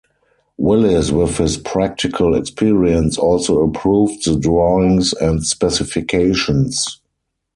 Willis with his practical experience also approved the drawings and specifications.